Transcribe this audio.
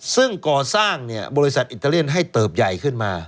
ซึ่งก่อสร้างบริษัทอิตาเลียนให้เติบใหญ่ขึ้นมา